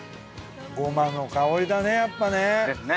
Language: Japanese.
ごまの香りだねやっぱね。ですね。